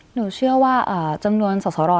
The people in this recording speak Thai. หนูเชื่อว่าจำนวนสอสร